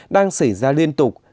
đang xảy ra liên tục